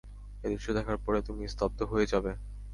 এই দৃশ্য দেখার পরে তুমি স্তব্ধ হয়ে যাবে।